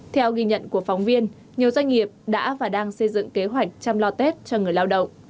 theo ghi nhận của phóng viên nhiều doanh nghiệp đã và đang xây dựng kế hoạch chăm lo tết cho người lao động